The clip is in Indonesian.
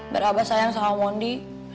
biar abah sayang sama mondi